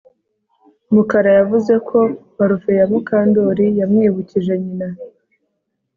Mukara yavuze ko parufe ya Mukandoli yamwibukije nyina